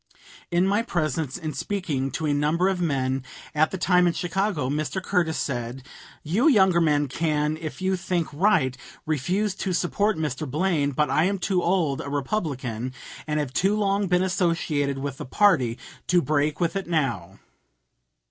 In my presence, in speaking to a number of men at the time in Chicago, Mr. Curtis said: "You younger men can, if you think right, refuse to support Mr. Blaine, but I am too old a Republican, and have too long been associated with the party, to break with it now."